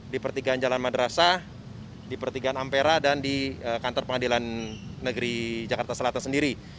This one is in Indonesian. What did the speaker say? di pertigaan jalan madrasah di pertigaan ampera dan di kantor pengadilan negeri jakarta selatan sendiri